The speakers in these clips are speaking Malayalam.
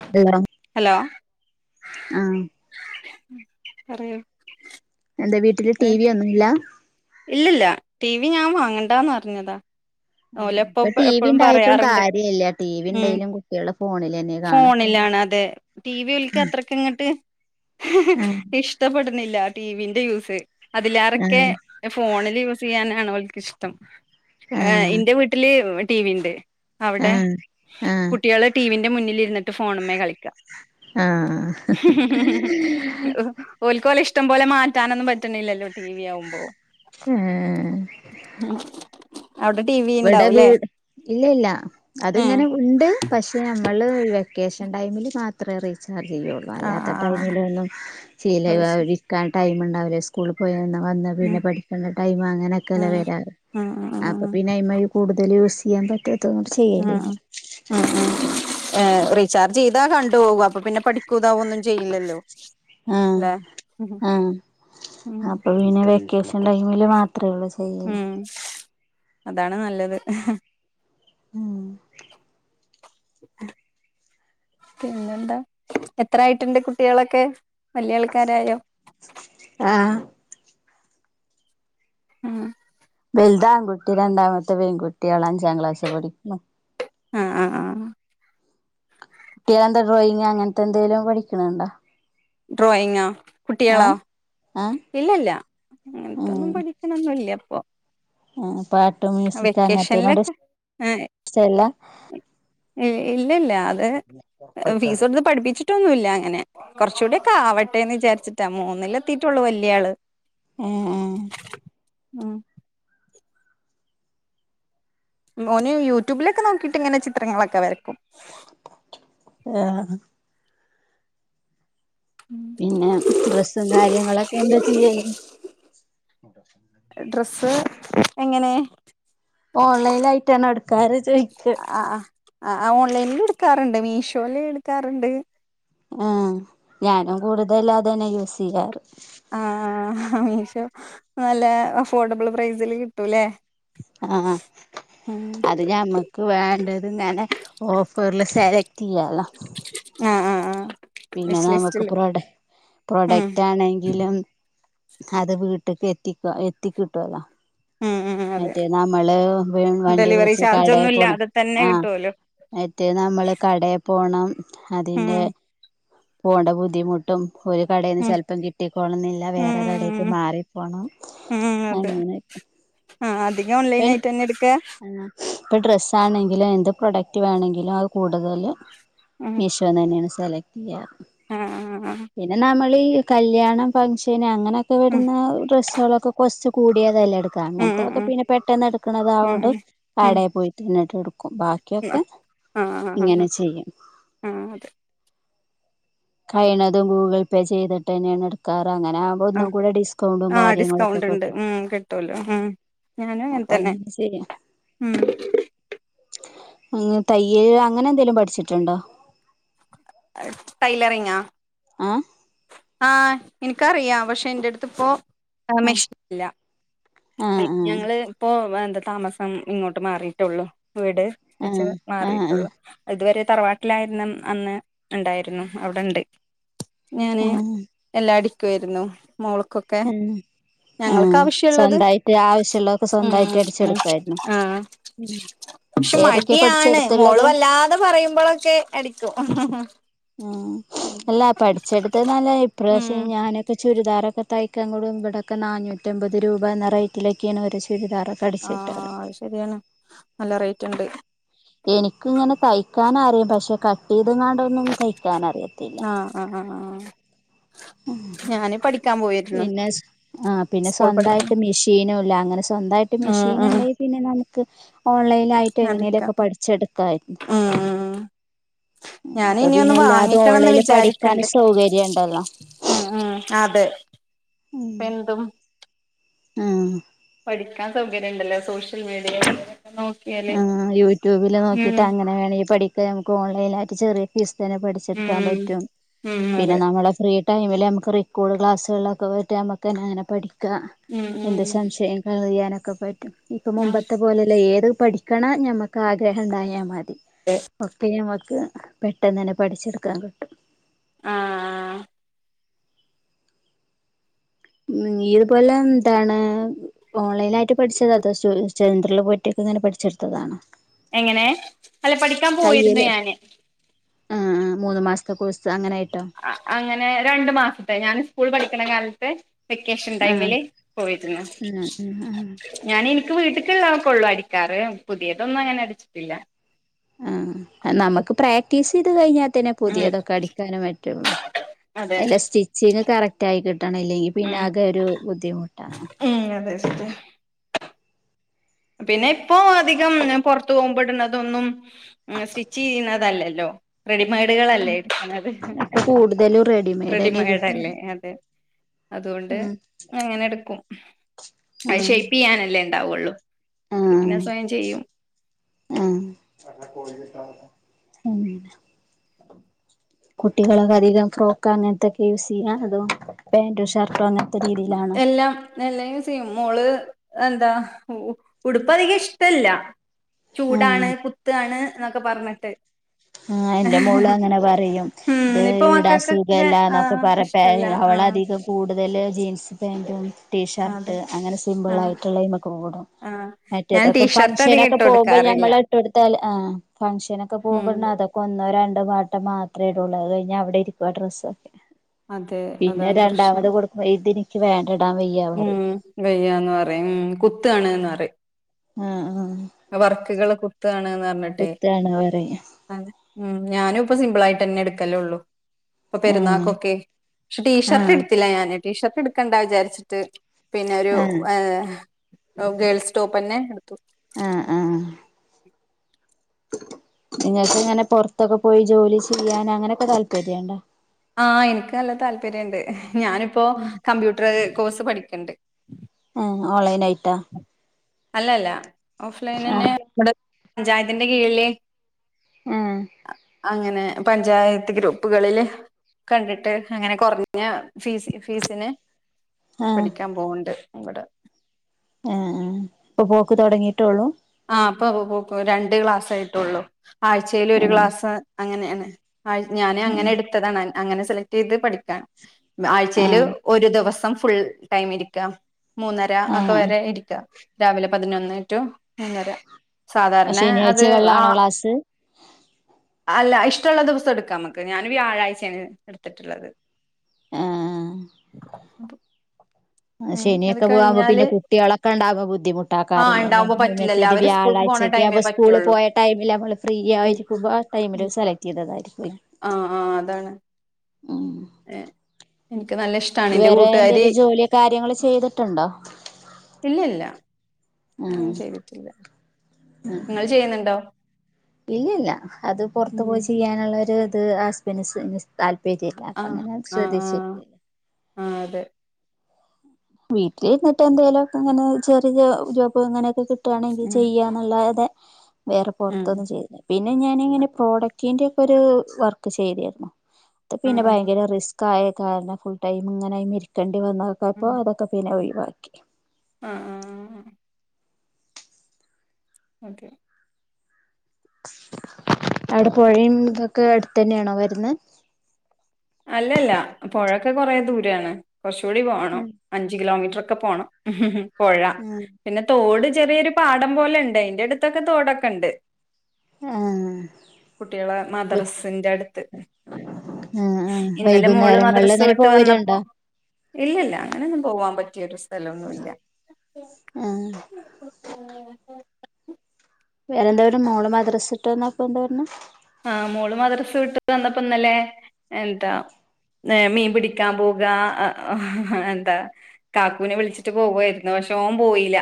[unintelligible] ഹലോ ആഹ് പറയൂ എന്താ വീട്ടില് ടി വി ഒന്നും ഇല്ല ഇല്ലില്ല ടി വി ഞാൻ വാങ്ങണ്ടാന്ന് പറിഞ്ഞതാ ആഹ് ഓലെ ഉപ്പ ഇപ്പൊ ടി വി എപ്പോഴും ഉണ്ടായിട്ടും പറയാറുണ്ട് കാര്യല്ല ടി വി ഉം ഉണ്ടെങ്കിലും കുട്ടികള് ഫോണിലെന്നെ കാണത്തുള്ളൂ ഫോണിലാണ് അതെ ടി വി ഓൽക്ക് അത്രക്ക ങ്ങോട്ട് ഇഷ ആഹ് ഇഷ്ടപ്പെടുന്നില്ല ടിവിന്റെ യൂസ് അതിലേറെ ക്കെ ആഹ് ന്റെ ഫോണില് യൂസെയ്യാനാണോൽക്കിഷ്ടം ആഹ് ഇന്റെ വീട്ടില് ടി വി ണ്ട് അവിടെ ആഹ് ആഹ് കുട്ടികള് ടീവിന്റെ മുന്നിലിരുന്നിട്ട് ഫോണ് മ്മേ കളിക്ക ആഹ് [inaudible] ഓൽക്കോലെഷ്ടം പോലെ മാറ്റാനൊന്നും പറ്റ്ണില്ലല്ലോ ടീ വ്യാ വുമ്പോ ഏഹ് ഹം ഔടെ ടി വി വടത് ഇല്ല ഇല്ല ഉം അതിങ്ങനെ ഉണ്ട്, പക്ഷേ നമ്മള് വെക്കേഷൻ ടൈമില് മാത്രേ റീചാർജെയ്യൊള്ളൂ ആഹ് അല്ലാത്ത ടൈമിലൊന്നും ആഹ് [unintelligible] റീചാ ഇര്ക്കാൻ ടൈമ് ണ്ടാവില്ല [unintelligible] സ്കൂൾള് പോയി വന്ന് ഉം പിന്നെ പഠിക്കണ്ട ടൈം അങ്ങനൊക്കെല്ല വരാറ്, ഉം ഉം ഉം അപ്പ ഉം നൈമയ്യ് കൂടുതല് യൂസിയ്യാൻ പറ്റാത്തൊത് കൊണ്ട് ഉം ഉം ചെയ്യലില്ല ഉം ഉം ഏഹ് റീചാർജെയ്താ കണ്ടുപോകൂ. അപ്പൊ പിന്നെ പഠിക്കൂതാവൊന്നും ചെയ്യില്ലല്ലോ ആഹ് ല്ലെ ആഹ് ഉം അപ്പൊ പിന്നെ വെക്കേഷൻ ടൈമില് മാത്രേ ഒള്ളൂ ചെ ഉം അതാണ് നല്ലത് ഉം പിന്നെന്താ എത്രായിട്ട്ണ്ട് കുട്ടികളൊക്കെ വല്യാൾക്കാരായോ? ആഹ് ഉം വെൽതാൺകുട്ടി രണ്ടാമത്തെ പെൺകുട്ട്യോളഞ്ചാം ക്ലാസ്സ് പഠിക്കുന്ന് ആഹ് ആഹ് ആഹ് ട്ട്യാളെന്താ ഡ്രോയിങ്ങ് അങ്ങൻത്തെന്തേലും പഠിക്ക്ണ് ണ്ടോ? ഡ്രോയിങ്ങോ കുട്ടികളോ ആഹ് ആഹ് ഇല്ലല്ല അങ്ങൻത്തൊന്നും പഠി ക്ക്ണൊന്നുല്ല്യ പ്പൊ. ഉം പാട്ട് മ്യൂസിക് വെക്കേഷനിലൊക്കെ അങ്ങനത്തേനോട്ഷ്ട്ടല്ല. ഇൽ ഇല്ലല്ല അത് ഫീസൊട്ത്ത് പഠിപ്പിച്ചി ട്ടൊന്നുല്ല അങ്ങനെ, കൊർച്ചൂട്യൊക്കാവട്ടേന്ന് വിചാരിച്ചിട്ടാ, മൂന്നിലെത്തിട്ടൊള്ളൂ വല്യാള്. ഉം ഉം. ഉം. മോന് യൂട്യൂബിലൊക്കെ നോക്കിട്ട്ങ്ങനെ ചിത്രങ്ങളൊക്കെ വരക്കും. [unintelligible] പിന്നെ ഡ്രസ്സും കാര്യങ്ങളൊക്കെ എന്താ ചെയ്യല്. ഡ്രസ്സ് എങ്ങനെ. ഓൺലൈൻലായിട്ടാണോ എട് ക്കാറ് ചോയ് ആഹ് ആഹ്, ആഹ് ആഹ് ഓൺലൈൻലു ട്ക്കാറ്ണ്ട്. മീഷോല് ഇട്ക്കാറ്ണ്ട്. ആഹ് ഞാനും കൂടുതലതന്നെ യൂസെയ്യാറ്. ആഹ് മീഷോ നല്ല അഫോർഡബിൾ പ്രൈസിൽ കിട്ടൂല്ലേ. ആഹ് അത് ഞമ്മക്ക് വേണ്ടത്ങ്ങനെ ഓഫർൽ സെലക്. റ്റിയ്യാ ല്ലൊ ആഹ് ആഹ് ആഹ്. പിന്നെ നമുക്ക് പ്രൊഡ ഉം പ്രൊഡക്റ്റാണെങ്കിലും. അത് വീട്ടക്ക് എത്തിക്ക എത്തിക്കിട്ടുവല്ലോ ഉം ഉം അതെ മറ്റേ നമ്മള് വണ്ടി ഡെലിവറി വിളിച്ച് ചാർജ് കടയെ ഒന്നും പോണം ഇല്ലാതെ തന്നെ ആഹ് കിട്ടുവല്ലോ മറ്റേ നമ്മള് കടയിൽ പോണം ഉം അതിന്റെ പോകേണ്ട ബുദ്ധിമു ട്ടും ഒരു കടയിന്ന് ഉം ചെലപ്പം കിട്ടിക്കോണം എന്നില്ല വേറെ കടക്ക് ഉം മാറിപ്പോണം ഉം അതെ ആങ്ങനെക്കെ ആഹ് അധികം ഓൺലൈൻ ആയിട്ട് തന്നെ എടുക്ക ഇപ്പോൾ ഡ്രസ്സ് ആണെങ്കിലും എന്ത് പ്രൊഡക്റ്റ് വേണമെങ്കിലും അത് കൂടുതല് ഉം മീശോ തന്നെയാണ് സെലക്ട്ചെയ്യ ആഹ് ആഹ് പിന്നെ നമ്മള് ഈ കല്യണം ഫങ്ക്ഷന് അങ്ങനെയൊക്കെ ഉം വരുന്ന ഡ്രസ്സുകളൊക്കെ കുറച്ച് കൂടിയതെല്ലാം എടുക്കുക ഉം അങ്ങനത്തൊക്കെ ഉം പിന്നെ പെട്ടന്ന് ഉം എടുക്കണതായോണ്ട് ഉം ഉം കടയിൽ പോയി എന്നിട്ട് എടുക്കും ബാക്കിയൊക്കെ ആഹ് ആഹ് ഇങ്ങനെ ആഹ് ചെയ്യും ആഹ് അതെ കയിണതും ഗൂഗിൾ പേ ചെയ്തിട്ട് തന്നെയാണ് എടുക്കാറ് അങ്ങനെ അപ്പ ആഹ് ഒന്നും കൂടെ ഡിസ്കൗണ്ടും ആഹ് കാര്യങ്ങളൊക്കെ ഡിസ്കൗണ്ട് ഉണ്ട് കിട്ടും ഉം കിട്ടുവല്ലോ ഉം ഞാനും അപ്പൊ തന്നെ അങ്ങനെ ചെയ്യ ഉം അങ്ങനെ തയ്യൽ അങ്ങനെ എന്തേലും പഠിച്ചിട്ടുണ്ടോ ടൈലറിങ്ങാ അഹ് ആഹ് എനിക്കറിയാം പക്ഷെ എന്റെ അടുത്ത് പോ ആഹ് മിഷനില്ല ആഹ് ഞങ്ങള് ഇപ്പൊ എന്താ താമസം ഇങ്ങോട്ട് മാറിയിട്ടുള്ളു വീട് വെച്ച് ആഹ് ആഹ് ആഹ് മാറിട്ടുള്ളു ഇതുവരെ തറവാട്ടിലായിരുന്നു അന്ന് ഉണ്ടായിരുന്നു അവിടെണ്ട് ഞാന് ആഹ് എല്ലാടിക്കുമായിരുന്നു മോൾക്കൊക്കെ എന്ന് ഞങ്ങൾക്ക് ആവശ്യള്ളത് ആവശ്യമുള്ളതൊക്കെ ഉം സ്വന്തായിട്ട് അടിച്ചെടുക്കായിരുന്നോ ആഹ് പക്ഷെ ഏതൊക്കെയാ മടിയാണ് മോള് പഠിച്ചെടുത്തുള്ളത് വല്ലാതെ പറയുമ്പോഴൊക്കെ അടിക്കും ആഹ് ആഹ് ഇല്ലാ പഠിച്ചെട്ത്തെന്നല്ലെ ഇപ്രവിശ്യം ഞാനൊക്കെ ചുരിദാറൊക്കെ തൈക്കാൻ കൊടും ഇവടൊക്കെ നാനൂറ്റമ്പത് രൂപ എന്ന റേറ്റിലേക്കേണ് ഒര് ചുരിദാർ അടിച്ച് കിട്ടാറ് ശെരിയാണ് നല്ലെ റെയ്റ്റ് ഇണ്ട് ഇൻക്ക് ഇങ്ങെനെ തയ്ക്കാനറിം പക്ഷെ കട്ട്യ്തങ്ങാണ്ടൊന്നും തയ്ക്കാനറിയില്ല ആഹ് ആഹ് ആഹ് ഞാന് പഠിക്കാൻ പോയിരുന്നു പിന്നെ സ്വ ആ പിന്നെ സ്കൂൾ പഠിക്കാൻ സ്വന്തായ്ട്ട് മിഷീനുല്ല അങ്ങെനെ സ്വന്തായ് ട്ട് ഉം മിഷീൻ ഉം ഇണ്ടെങ്കി പിന്നെ നമുക്ക് ഓൺലൈനായിയിട്ട് എങ്ങനെലൊക്കെ പഠിച്ചെടുക്കായിര്ന്നു അഹ് ആഹ് ഞാനി ഇപ്പൊ ഇനി ഒന്ന് പിന്നെ എല്ലാതും വാങ്ങിക്കണംന്ന് ഓൺലൈനിൽ പഠിക്കാൻ വിചാരിക്ക്ണ്ട് സൗകര്യം ഉണ്ടല്ലോ അഹ് അഹ് അതെ ഉം ഇപ്പെന്തും ആഹ് പഠിക്കാൻ സൗകര്യണ്ടല്ലോ സോഷ്യൽ മീഡിയയിലൊക്കെ നോക്കി ആഹ് യൂട്യൂബിൽ നോക്കിട്ട്അങ്ങനെവേണെങ്കി പഠിക്ക നമുക്ക് ഓൺലൈനായിട്ട് ചെറിയെ ഫീസ് തെന്നെ പഠിച്ചെടുക്കാൻ ഉം പറ്റും ഉം പിന്നെ അതെ ന്നമ്മളെ ഫ്രീ ട്ടയ്മില് നമുക്ക് റിക്കോർഡ് ക്ലാസ്സുകളിലൊക്കെ പോയ്‌റ്റ് ന മ്മക്കെന്നെ അങ്ങനെ പഠിക്കാം ഉം എന്ത് ഉം ഷംശയം ക്ലിയറെയാനൊക്കെ പറ്റും ഇപ്പ ആഹ് മുമ്പെത്തെ പോലെയല്ല ഏത് പഠിക്കണ ഞമ്മക്ക് ആഗ്രഹം ഇണ്ടായാൽ മതി. [unintelligible] ഒക്കെ, നമ്മക്ക് പെട്ടെന്ന് തന്നെ പഠിച്ചെടുക്കാൻ കിട്ടും. ആഹ്, ആഹ് ഉം, ഇയ്യ് ഇതുപോലെ എന്താണ് ഓൺലൈനായിട്ട് പഠിച്ചത അതൊ സ്റ്റൂരി ചന്ദ്രനിൽ പോയിട്ടൊക്കെ ഇങ്ങനെ പഠിച്ചെടുത്തതാണ്. എങ്ങനെ, അല്ല പഠിക്കാൻ പോയിര്ന്നു തയ്യല് ഞാന്. ആഹ്, ആഹ് മൂന്ന് മാസത്തെ കൊഴ്സ് അങ്ങനെ ആയിട്ടോ? അ അങ്ങനെ രണ്ടു മാസത്തെ, ഞാന് സ്കൂൾ പഠിക്ക്ണ കാലത്തെ. വെക്കേഷൻ ആഹ് ടൈമില് പോയിര്ന്നു. ഉം ഉം ഞാന് ഇൻക്ക് വീട്ട്ൽക്ക് ഉള്ളത് ഒക്കെ ഒള്ളു അടിക്കാറ്. പുതിയത് ഒന്നും അങ്ങനെ അടിച്ചിട്ടില്ല. ഉം, നമ്മക്ക് പ്രാക്ടീസ് ചെയ്തു കഴിഞ്ഞാൽ തന്നെ, പുതിയ ഉം തൊക്കെ അടിക്കാനും പറ്റൊള്ളു. അതെ അല്ല, സ്റ്റിച്ചിങ്ങ് കറക്റ്റായി കിട്ടണം. ഇല്ലങ്കിൽ പിന്ന ഉം ആക ഒരു ബുദ്ധിമുട്ട. ഉം, അതെ, [unintelligible] പിന്നെ, ഇപ്പൊ അതികം ഞാൻ പൊർത്ത് പോകുമ്പോ ഇട്ണ തൊന്നും. ഉം, സ്റ്റിച് ചെയ്യ്ണതല്ല ല്ലോ? റെഡി മെയ്ഡുകളല്ലേ, എടുക്കണത്. ദെലു റെഡ് റെഡി മെയ്ഡല്ലേ? അതെ, അതു കൊണ്ട് ഉം അങ്ങനെ ഇട്ക്കും. അത് ആഹ് ഷെയ്പ് ചെയ്യാനല്ലേ ഇണ്ടാവൊള്ളൂ? അത് പിന്നെ ആഹ് സ്വയം ചെയ്യും. ആഹ്, ഉം കുട്ടികളൊക്കെ അധികം ഫ്രോക്ക് അങ്ങൻത്തൊക്കെ യൂസ് ചെയ്യാ, അതോ പാന്റും ഷർട് അങ്ങ എല്ലം എല്ലാ യൂസെയ്യും. മോള് എന്താ ഉട്പ്പ് അധികം ഇഷ്ട്ടല്ല. ആഹ് ചൂടാണ് കുത്താണ് എന്നൊക്കെ പർഞ്ഞിട്ട്. ആഹ്, എന്റെ മോള് അങ്ങെനെ പറയും. ഉം ഇത് ഇപ്പൊ ഇടാൻ മക്കൾക്കൊക്കെ സുഖല്ലാന്നൊക്കെ ആഹ് പറ പെ ഇഷ്ടല്ല അവള് ആഹ് അധികം. കൂടുതെല് ജീൻസ് പേന്റും ടീഷർട്ട് അതെ അങ്ങനെ സിമ്പിൾ ആഹ് ആയിട്ട്ള്ളിമക്ക് ഓടും. ആഹ് മറ്റേ ഞാൻ തൊക്ക ടീഷർട്ട് അധികം ഫങ്‌ഷനൊക്ക ഇട്ട് പോകുമ്പോൾ കൊടുക്കാറില്ല ഞമ്മൾ ഇട്ടൊട് ത്താൽ ആഹ്, ഫങ്‌ഷനൊക്ക പോകുമ്പ ഉം ട്ണ അതൊക്ക ഒന്നോ, രണ്ടോ വട്ടം മാത്രേ ഇടൊള്ളൂ. അത് കഴിഞ്ഞ അവിടെ ഇരിക്കും ആഹ് ഡ്രസ്സൊക്കെ. അതെ പിന്നെ, അതാണ് രണ്ടാ പ്രശ്നം മത് കൊടുക്കുമ്പോ ഇതെനിക്ക് വേണ്ട ഇടാൻ വെയ് ഉം, വെയ്യാന്ന് പറയും. ഉം, കുത്താണ്ന്ന് പറയും. ആഹ്, ആഹ് വർക്കുകള് കുത്താണ് എന്ന് പറഞ്. കുത്താണ് പറയ. അതെ ഉം ഞാനും പ്പോ സിമ്പിളായിട്ടെന്നെ എടുക്കലുള്ളൂ. ഇപ്പൊ, ആഹ് പെരുന്നാക്കൊ ക്കെ പക്ഷെ, ടീഷർട്ട് ആഹ് എടുത്തില്ല ഞാന്. ടീഷർട്ട് എടുക്കണ്ട വിചാരിച്ചിട്ട് പിന്നെ, ഒരു ആഹ് ഏ ഗേൾസ് ടോപ്പെന്നെ എടുത്തു. ആഹ് ആഹ് നിങ്ങൾ ക്കിങ്ങനെ പൊറത്തൊക്കെ പോയി ജോലി ചെയ്യാൻ അങ്ങനെ യൊക്കെ താല്പര്യണ്ട. ആഹ്, എനിക്ക് നല്ല താല്പര്യണ്ട്. ഞാനിപ്പോ കമ്പ്യൂട്ടർ കോഴ്സ് പഠിക്ക്ണ്ട്. ആഹ്, ഓൺലൈനായിട്ടാ. അല്ല, ല്ല ഓഫലൈന ന്നെ ആഹ് ഇബടെ പഞ്ചായത്തിന്റെ കീഴില്, ആഹ് അങ്ങനെ പഞ്ചായത്ത് ഗ്രൂപ്പുകളിൽ. കണ്ടിട്ട് അങ്ങനെ കൊറഞ്ഞ ഫീസ്, ഫീസിന് ആഹ് പഠിക്കാൻ പോണുണ്ട് ഇവടെ ആഹ് ആഹ് ഇപ്പൊ പോക്ക് തൊടങ്ങിട്ടൊള്ളൂ ആഹ് ഇപ്പൊ പോ പോ പോ രണ്ട് ക്ലാസായിട്ടൊള്ളൂ ആഴ്ച്ചേല് ഒരു ആഹ് ഗ്ലാസ് അങ്ങനെണ്. അയി ഞാന് അങ്ങനെ എടുത്തതാണ് അങ്ങനെ സെലക്ട് ചെയ്ത് പഠിക്കാൻ ആഴ്ചയില് ആഹ് ഒരു ദിവസം ഫുൾ ടൈം ഇരിക്ക മൂന്നര അത് ആഹ് വരെ ഇരിക്ക രാവിലെ പതിനൊന്ന് റ്റു മൂന്നര സാധാരണ അത് ശനിയാഴ്ചകളിലാണോ ആഹ് ക്ലാസ് അല്ല ഇഷ്ടള്ള ദിവസം എടുക്കാം നമുക്ക് ഞാന് വ്യാഴാഴ്ചയാണ് ഇടുത്തിട്ടുള്ളത്. ആഹ് ആഹ് അഹ് ഉം അത് ശനിയൊക്കെ പോകുമ്പോ പിന്നെ കഴിഞ്ഞാല് കുട്ടികളൊക്കെ ഇണ്ടാവുമ്പോ ആ ബുദ്ധിമുട്ടാക്കാരല്ലോല്ലെ ഉണ്ടാവുമ്പോ പറ്റില്ലല്ലോ മറ്റേത് അവര് സ്കൂൾക്ക് പോണ ടൈമേ വ്യാഴാഴ്ചക്കെവുമ്പോ സ് കൂള് പറ്റുള്ളൂ പോയ ടൈമില് നമ്മള് ഉം ഫ്രീയായിരിക്കുമ്പോ ആഹ് ടൈമിൽ സെലക്ട് ചെയ്തതായിരിക്കും ആഹ് ആഹ് അതാണ് ഉം ഏഹ് ഇൻക്ക് നല്ല ഇഷ് വേറെ എന്തേലും ജോലിയോ കാര്യങ്ങളോ ചെയ്തിട്ടുണ്ടോ ഇല്ലല്ല ഞാൻ ഒന്നും ആഹ് ചെയ്തിട്ടില്ല ഇങ്ങൾ ചെയ്യുന്നുണ്ടോ? ഇല്ലല്ല അത് പൊറത്തു ഉം പോയി ചെയ്യാനുള്ള ഒരുത് ഹസ്ബൻഡ്ന്സ് താല്പര്യ ല്ല അപ്പൊ ആഹ് അങ്ങനെ ആഹ് ശ്രദ്ധിച്ചി ആഹ് ആഹ് അതെ വീട്ടിലിരുന്നിട്ട് എന്തേലൊക്കങ്ങനെ ചെറിയ ജോബോ അങ്ങനെയൊക്കെ കിട്ടുവാണെങ്കി ഉം ചെയ്യ ന്നല്ലാതെ വേറെ ഉം പൊറത്തൊന്നും ചെയ്യുന്നില്ല. പിന്നെ ഞാനിങ്ങനെ പ്രോഡക്റ്റിന്റെക്കൊരു വർക്ക് ചെയ്തിരുന്നു അത് പിന്നെ ആഹ് ആഹ് ഭയങ്കര റിസ് കായ കാരണം ഫുൾ ടൈം ഇങ്ങനെ അയ്മ്മെ ഇരിക്കേണ്ടി വന്നതൊക്കപ്പോ അതൊക്കെ പിന്നെ ഒഴിവാക്കി. ആഹ് ആഹ് ആഹ് ഓക്കെ അവിടെ പൊഴയും ഇതൊക്കെ അടുത്തന്നെണോ വരുന്ന് അല്ലല്ല പൊഴൊക്കെ കൊറേ ദൂരാണ് കൊറച്ചുകൂടി പോണം ഉം അഞ്ച് കിലോമീറ്ററൊക്കെ പോണം. ഉം ഉം പൊഴ ഉം പിന്നെ തോട് ചെറിയൊരു പാടം പോലെണ്ട് അയിന്റെ അടുത്തൊക്കെ തോടൊക്കണ്ട്. ആഹ് കുട്ടിളെ മദ്രസിന്റെ അടുത്ത്. ആഹ് ആഹ് ഇന്നലെ മോള് വൈകുന്നേരങ്ങളിങ്ങനെ പോവലുണ്ടോ? ഇല്ലല്ല അങ്ങനൊന്നും പോവാൻ പറ്റിയൊരു സ്‌ സ്ഥലൊന്നുല്ല ആഹ് വേറെന്താ ഒരു മോള് മദ്രസിട്ടന്നപ്പോന്താ പറഞ്ഞ് ആഹ് മോള് മദ്രസ് വിട്ട് വന്നപ്പോ ഇന്നല്ലേ എന്താ ഹെ മീൻ പിടിക്കാൻ പോക ഹെ ഹെ എന്താ കാക്കുനെ വിളിച്ചിട്ട് പോവായിരുന്നു പക്ഷെ ഓൻ പോയീല്ല.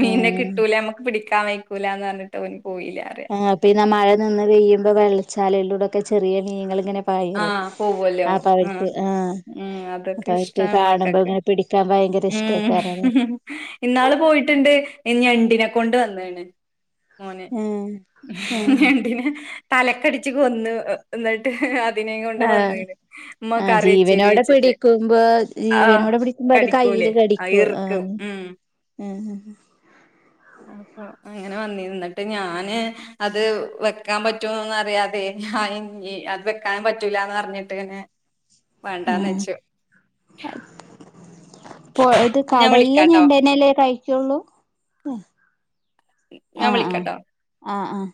മീനിനെ ആഹ് കിട്ടൂല നമ്മുക്ക് പിടിക്കാൻ വയ്ക്കൂലാന്നറഞ്ഞിട്ട് ഓന് പോയില്ലറയ ആഹ് പിന്നെ മഴ നിന്ന് പെയ്യുമ്പോ വെള്ളച്ചാലിലൂടെക്കെ ചെറിയ മീങ്ങളിങ്ങനെ ആ പായിലെ പോവല്ലോ അപ്പോ ആ അവർക്ക് ആഹ് ഉം അതൊക്കെ അപ്പൊ അവർക്ക് ഇഷ്ടാണ് മക്കൾക്ക് കാണുമ്പോങ്ങനെ പിടിക്കാൻ ഭയ. ഉം ഇന്നാള് പോയിട്ട്ണ്ട് ഞ്ഞെണ്ടിനെ കൊണ്ട് വന്നേണ് മോൻ ഏഹ് ഏഹ് ഞണ്ടിനെ തലക്കടിച്ച് കൊന്നു ന്നെട്ട് അതിനേ കൊണ്ട് ആഹ് വന്ന്ണ് ഉമ്മ ആഹ് കറിയച്ചേരി ജീവനോടെ വെച്ചിട്ട് പിടിക്കുമ്പോ ആഹ് ജീവനോടെ പിടിക്കുമ്പോ അത് കൂലേ കയ്യില് അയ്ർകും ഉ ഉം ഉം ഉം അപ്പ അങ്ങനെ വന്നിണ് എന്നിട്ട് ഞാന് അത് വെക്കാൻ പറ്റോന്നൊന്നറിയാതെ ഞന് ഇനി അത് വെക്കാൻ പറ്റൂലന്നറിഞ്ഞിട്ട് വേണ്ടാന്ന് ആഹ് വെച്ചു പോയത് ഞാൻ കടലിലെ വിളിക്കാട്ടോ ഞെണ്ടേനെല്ലേ കഴിക്കുള്ളൂ ഞാൻ ആഹ് ആഹ് വിളിക്കാട്ടോ ആഹ് ആഹ്